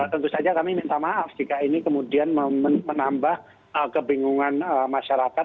tentu saja kami minta maaf jika ini kemudian menambah kebingungan masyarakat